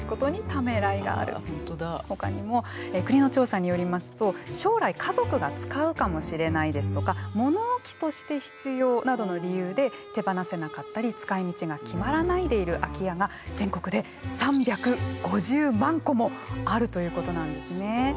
ほかにも国の調査によりますと将来家族が使うかもしれないですとか物置として必要などの理由で手放せなかったり使いみちが決まらないでいる空き家が全国で３５０万戸もあるということなんですね。